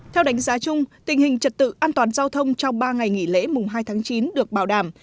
theo đánh giá chung tình hình trật tự an toàn giao thông trong ba ngày nghỉ lễ mùng hai tháng chín được bảo đảm